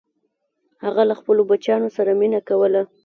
هغه له خپلو بچیانو سره مینه کوله.